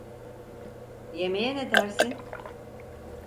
Yemeğe ne dersin?